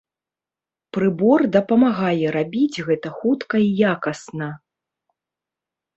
Прыбор дапамагае рабіць гэта хутка і якасна.